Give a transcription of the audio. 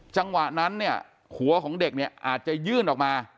จังหวะนั้นเนี่ยหัวของเด็กเนี่ยอาจจะยื่นออกมา